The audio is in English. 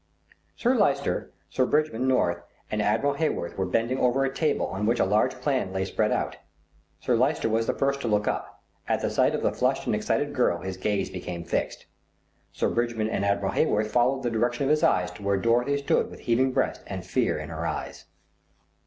Sir Lyster, Sir Bridgman North and Admiral Heyworth were bending over a table on which a large plan lay spread out. Sir Lyster was the first to look up; at the sight of the flushed and excited girl his gaze became fixed. Sir Bridgman and Admiral Heyworth followed the direction of his eyes to where Dorothy stood with heaving breast and fear in her eyes.